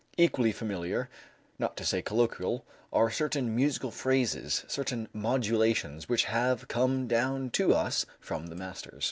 Equally familiar, not to say colloquial, are certain musical phrases, certain modulations, which have come down to us from the masters.